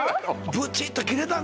ブチッと切れたんだ？